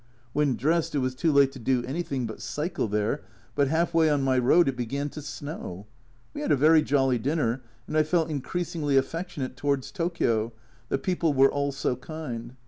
When dressed it was too late to do anything but cycle there, but half way on my road it began to snow I We had a very jolly dinner, and I felt increasingly affectionate towards Tokio, the people were all so kind.